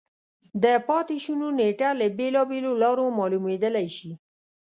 د پاتې شونو نېټه له بېلابېلو لارو معلومېدای شي.